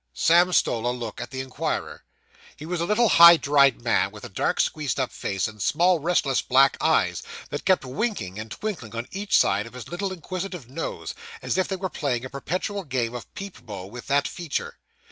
Sam stole a look at the inquirer. He was a little high dried man, with a dark squeezed up face, and small, restless, black eyes, that kept winking and twinkling on each side of his little inquisitive nose, as if they were playing a perpetual game of peep bo with that feature.